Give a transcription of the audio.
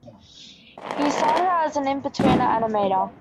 He started out as an "In-Betweener" animator.